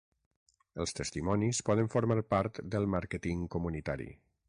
Els testimonis poden formar part del màrqueting comunitari.